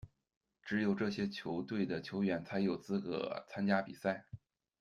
只有这些球队的球员才有资格参加比赛。